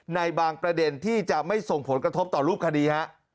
ในบางประเด็นที่จะไม่ส่งผลกระทบต่อรูปคดีฮะ